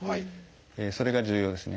それが重要ですね。